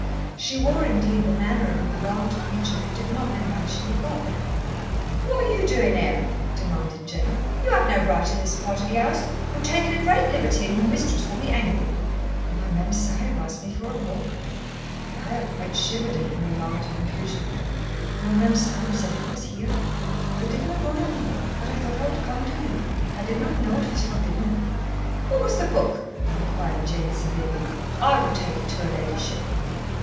She wore, indeed, the manner of an alarmed creature who did not know how she had got there. "What are you doing here?" demanded Jane. "You have no right in this part of the house. You're taking a great liberty, and your mistress will be angry." "My Mem Sahib asked for a book," the Ayah quite shivered in her alarmed confusion. "Your Mem Sahib said it was here. They did not order me, but I thought I would come to you. I did not know it was forbidden." "What was the book?" inquired Jane severely. "I will take it to her ladyship."